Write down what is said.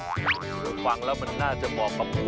เคยฟังแล้วมันน่าจะบอก